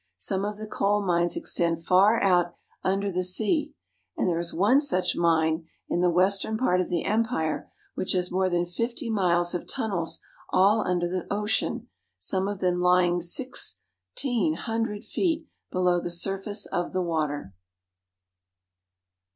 Some of the coal mines extend far YOKOHAMA 3 1 out under the sea, and there is one such mine, in the western part of the empire, which has more than fifty miles of tunnels all under the ocean, some of them lying sixteen hundred feet below the surface of the water.